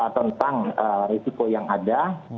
tentang risiko yang ada